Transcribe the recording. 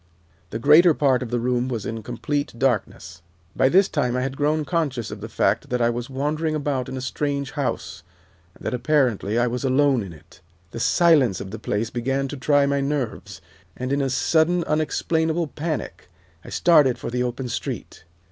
The greater part of the room was in complete darkness. "By this time I had grown conscious of the fact that I was wandering about in a strange house, and that, apparently, I was alone in it. The silence of the place began to try my nerves, and in a sudden, unexplainable panic I started for the open street.